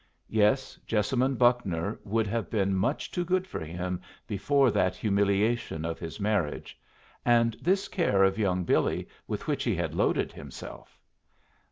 Yes, Jessamine Buckner would have been much too good for him before that humiliation of his marriage, and this care of young Billy with which he had loaded himself.